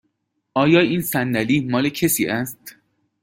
آیا این صندلی مال کسی است؟